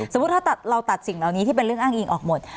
สมมุติถ้าเราตัดสิ่งเหล่านี้ที่เป็นเรื่องอ้างอิงออกหมด